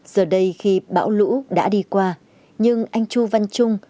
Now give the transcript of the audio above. giờ đây khi bão lũ đã đi qua nhưng anh chu văn trung